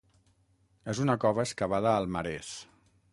És una cova excavada al marès.